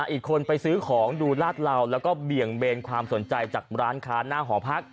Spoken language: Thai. อีกคนไปซื้อของดูลาดเหลาแล้วก็เบี่ยงเบนความสนใจจากร้านค้าหน้าหอพัก